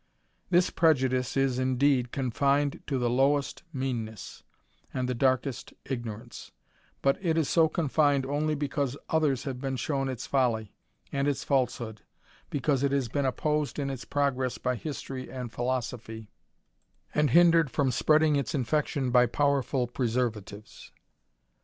This prejudice is, indeed, confined to the lowest mean ness, and the darkest ignorance ; but it is so confined only because others have been shown its folly, and its falsehood, because it has been opposed in its progress by history and philosophy, and hindered from spreading its infection by powerful preservatives.